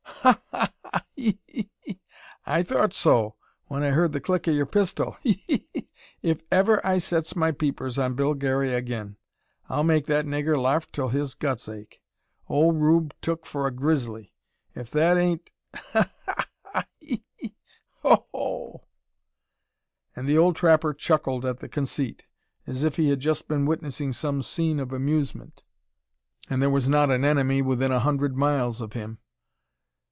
"Ha! ha! ha! He! he! he! I thort so, when I heard the click o' your pistol. He! he! he! If ever I sets my peepers on Bill Garey agin, I'll make that niggur larf till his guts ache. Ole Rube tuk for a grizzly! If that ain't Ha! ha! ha! ha! He! he! he! Ho! ho! hoo!" And the old trapper chuckled at the conceit, as if he had just been witnessing some scene of amusement, and there was not an enemy within a hundred miles of him.